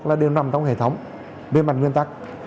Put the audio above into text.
là đều nằm trong hệ thống về mặt nguyên tắc